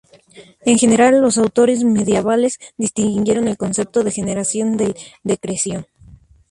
En general, los autores medievales distinguieron el concepto de generación del de creación.